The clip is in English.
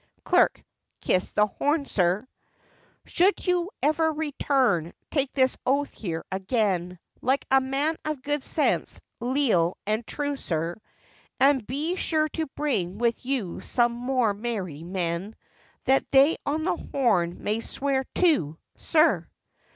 Clerk. 'Kiss the horn, sir!' Should you ever return, take this oath here again, Like a man of good sense, leal and true, sir; And be sure to bring with you some more merry men, That they on the horn may swear too, sir.